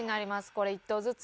これ１投ずつ。